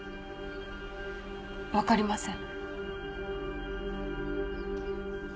分かりません。